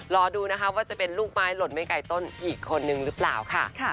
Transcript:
รอดูนะคะว่าจะเป็นลูกไม้หล่นไม่ไกลต้นอีกคนนึงหรือเปล่าค่ะ